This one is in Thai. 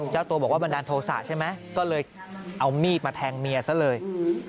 เจ้าตัวบอกว่าบันดาลโทษะใช่ไหมก็เลยเอามีดมาแทงเมียซะเลย